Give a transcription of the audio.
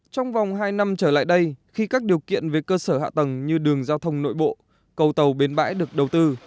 trong vòng hai năm trở lại đây khi các điều kiện về cơ sở hạ tầng như đường giao thông nội bộ cầu tàu bến bãi được đầu tư